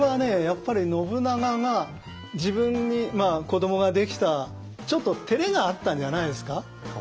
やっぱり信長が自分に子どもができたちょっとてれがあったんじゃないですか？